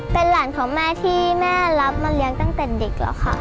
เป็นหลานของแม่ที่แม่รับมาเลี้ยงตั้งแต่เด็กแล้วค่ะ